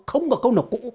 không có câu nào cũ